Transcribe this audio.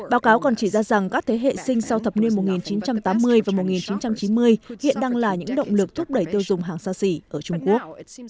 báo cáo còn chỉ ra rằng các thế hệ sinh sau thập niên một nghìn chín trăm tám mươi và một nghìn chín trăm chín mươi hiện đang là những động lực thúc đẩy tiêu dùng hàng xa xỉ ở trung quốc